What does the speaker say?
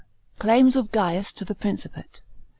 Claims of Gains to the Principate.